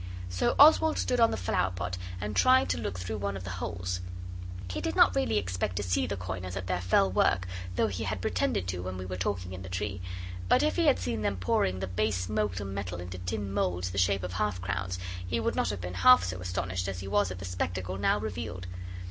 So Oswald stood on the flower pot and tried to look through one of the holes. He did not really expect to see the coiners at their fell work, though he had pretended to when we were talking in the tree. But if he had seen them pouring the base molten metal into tin moulds the shape of half crowns he would not have been half so astonished as he was at the spectacle now revealed.